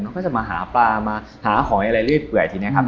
เขาก็จะมาหาปลามาหาหอยอะไรเรื่อยทีนี้ครับ